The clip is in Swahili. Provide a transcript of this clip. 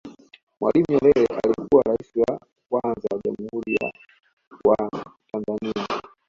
Mwalimu Nyerere alikuwa Rais wa kwanza wa Jamhuri ya wa Tanzania